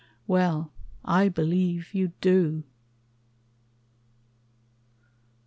... Well, I believe you do.